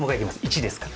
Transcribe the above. １ですか？